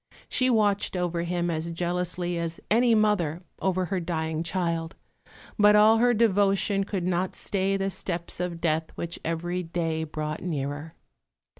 She watched over him as jealously as any mother over her dying child; but all her devotion could not stay the steps of death, which every day brought nearer.